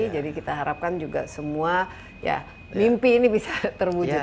jadi kita harapkan juga semua mimpi ini bisa terwujud